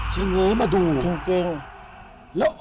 ใช่มั้ยอย่างงี้มาดู